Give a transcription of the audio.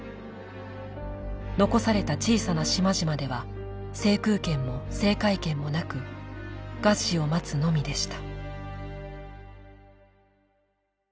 残された小さな島々では制空権も制海権もなく餓死を待つのみでした。